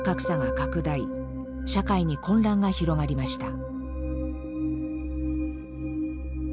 社会に混乱が広がりました。